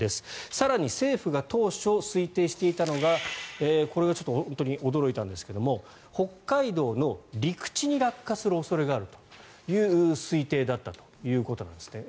更に、政府が当初、推定していたのがこれがちょっと本当に驚いたんですが北海道の陸地に落下する恐れがあるという推定だったということなんですね。